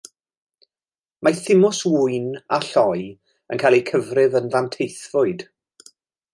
Mae thymws ŵyn a lloi yn cael eu cyfrif yn ddanteithfwyd.